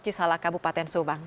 cisala kabupaten subang